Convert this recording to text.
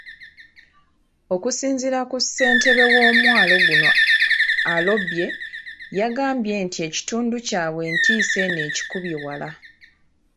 Okusinziira ku ssentebe w'omwalo guno, Alyobe, yagambye nti ekitundu kyabwe entiisa eno ekikubye wala.